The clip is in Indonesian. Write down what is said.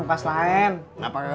gue mau pergi segera ya